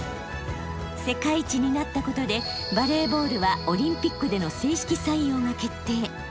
世界一になったことでバレーボールはオリンピックでの正式採用が決定。